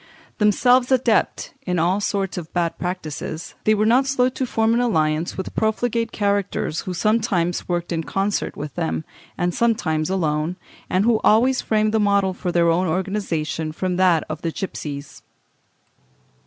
Themselves adepts in all sorts of bad practices, they were not slow to form an alliance with profligate characters who sometimes worked in concert with them, and sometimes alone, and who always framed the model for their own organization from that of the gipsies."